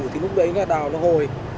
thì lúc đấy là đào nó hồi